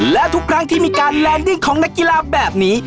และทุกครั้งที่มีการแลนดิ้งของนักกีฬาแบบนี้